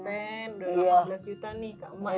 seperti sepuluh dua belas juta nih kak mak